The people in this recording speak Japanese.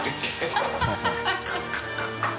ハハハ